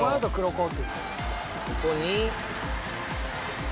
「ここに」